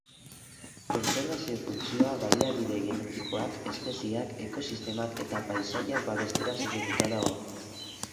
Kontserbazio funtzioa baliabide genetikoak, espezieak, ekosistemak eta paisaiak babestera zuzenduta dago.